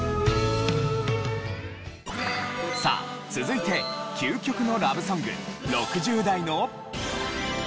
さあ続いて究極のラブソング６０代の。